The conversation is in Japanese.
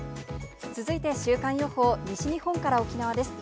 続いて週間予報、西日本から沖縄です。